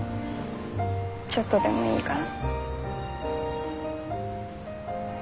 ちょっとでもいいから。